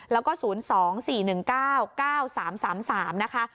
แล้วก็๐๒๔๑๙๙๓๓นะคะ